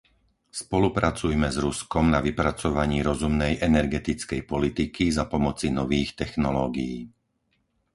Spolupracujme s Ruskom na vypracovaní rozumnej energetickej politiky za pomoci nových technológií.